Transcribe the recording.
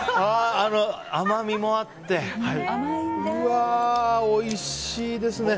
甘みもあってうわーおいしいですね。